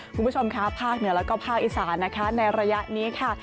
คุณผู้ชมค่ะภาคเหนือแล้วก็ภาคอีสานนะคะในระยะนี้ค่ะ